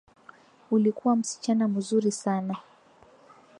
Ulikuwa msichana muzuri sana.